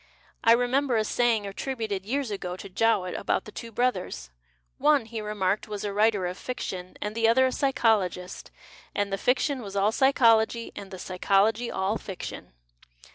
I remember a saying attributed, years ago, to Jowett about the two brothers : one, he remarked, was a writer of fiction and the other a psychologist, and the fiction was all psy chology and the psychology all fiction.